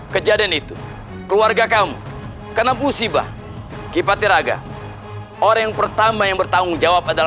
kejadian itu keluarga kamu kena musibah kipatiraga orang yang pertama yang bertanggung jawab adalah